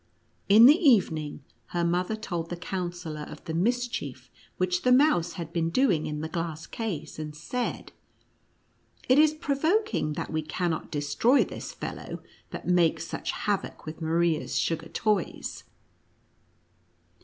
In the evening, her mother told the Counsellor of the mischief which, the mouse had been doing in the glass case, and said :" It is provoking that we cannot destroy this fellow that makes such havoc with Maria's sugar toys."